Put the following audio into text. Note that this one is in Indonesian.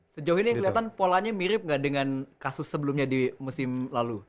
sejauh ini kelihatan polanya mirip nggak dengan kasus sebelumnya di musim lalu